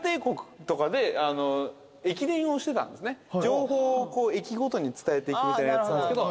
情報を駅ごとに伝えていくみたいなやつなんですけど。